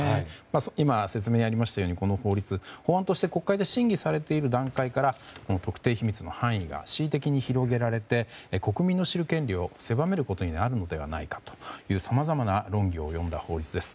今、説明がありましたようにこの法律法案として国会で審議されている段階から特定秘密の範囲が恣意的に広げられて国民の知る権利を狭めることになるのではないかというさまざまな論議を呼んだ法律です。